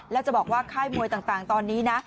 แล้วจะบอกว่าค่ายมวยต่างตอนนี้นะ